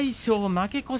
負け越し